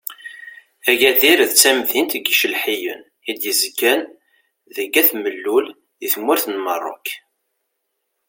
Agadir d tamdint n yicelḥiyen i d-yezgan deg At Mellul di tmurt n Merruk.